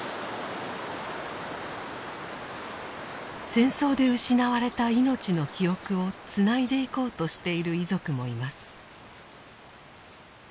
戦争で失われた命の記憶をつないでいこうとしている遺族もいます。